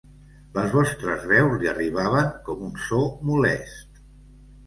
Les vostres veus li arribaven com un so molest.